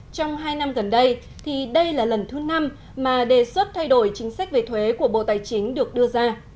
trong hai năm gần đây thì đây là lần thứ năm mà đề xuất thay đổi chính sách về thuế của bộ tài chính được đưa ra